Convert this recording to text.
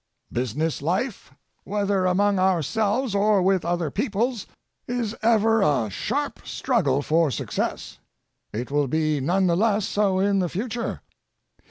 Business life, whether among ourselves or with other peoples, is ever a sharp struggle for success. It will be none the less so in the future.